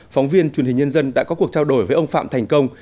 phóng viên truyền hình nhân dân đã có cuộc trao đổi với ông phạm thành công